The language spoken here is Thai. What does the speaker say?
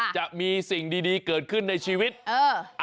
จะมีสิ่งดีเกิดขึ้นในชีวิต